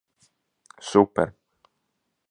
Super!